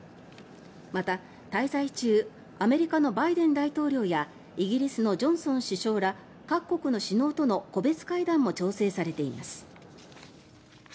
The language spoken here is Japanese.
また、滞在中アメリカのバイデン大統領やイギリスのジョンソン首相ら各国の首脳との個別会談も調整されています。